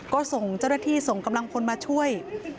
ก็ส่งเจ้าหน้าที่ส่งกำลังพลมาช่วย